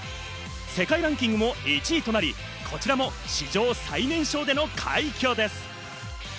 世界ランキングも１位となり、こちらも史上最年少での快挙です。